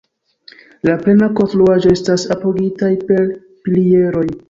La plena konstruaĵo estas apogitaj per pilieroj.